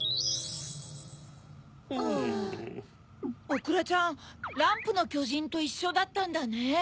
おくらちゃんランプのきょじんといっしょだったんだね。